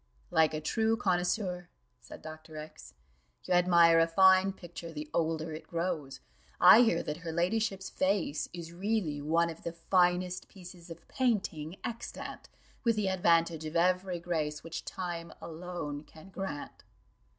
"Like a true connoisseur," said Dr. X , "you admire a fine picture the older it grows: I hear that her ladyship's face is really one of the finest pieces of painting extant, with the advantage of 'Ev'ry grace which time alone can grant.